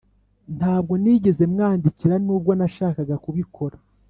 [ntabwo nigeze mumwandikira, nubwo nashakaga kubikora.